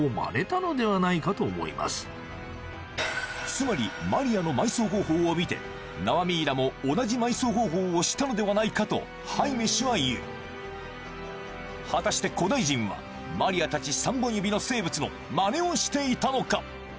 つまりマリアの埋葬方法を見て縄ミイラも同じ埋葬方法をしたのではないかとハイメ氏は言う果たして古代人はマリア達３本指の生物のまねをしていたのか？